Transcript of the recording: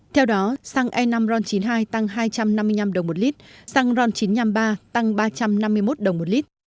theo đó xăng e năm ron chín mươi hai tăng hai trăm năm mươi năm đồng một lít xăng ron chín trăm năm mươi ba tăng ba trăm năm mươi một đồng một lít